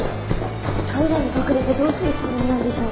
トイレに隠れてどうするつもりなんでしょう？